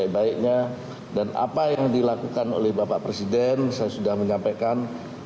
baiknya dan apa yang dilakukan oleh bapak presiden saya sudah menyampaikan